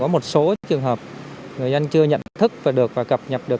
có một số trường hợp người dân chưa nhận thức và được và cập nhập được